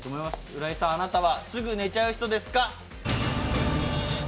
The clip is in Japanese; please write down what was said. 浦井さん、あなたはすぐ寝ちゃう人ですか？